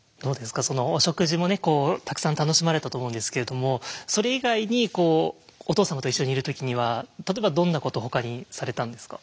そのお食事もねたくさん楽しまれたと思うんですけれどもそれ以外にこうお父様と一緒にいる時には例えばどんなことほかにされたんですか？